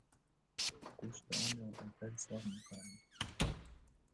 گوشت انرا اول سر میکنند